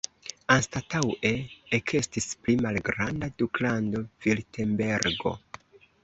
Anstataŭe ekestis pli malgranda duklando Virtembergo.